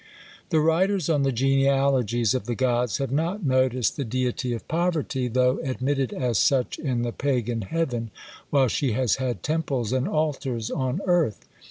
The writers on the genealogies of the gods have not noticed the deity of Poverty, though admitted as such in the pagan heaven, while she has had temples and altars on earth.